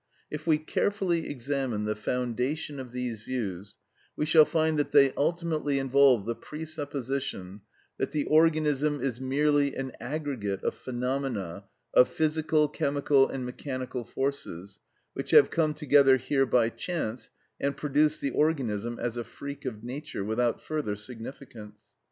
If we carefully examine the foundation of these views, we shall find that they ultimately involve the presupposition that the organism is merely an aggregate of phenomena of physical, chemical, and mechanical forces, which have come together here by chance, and produced the organism as a freak of nature without further significance.